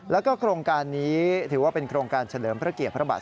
แล้วก็โครงการนี้ถือว่าเป็นโครงการเฉลิมพระเกียรติพระบาท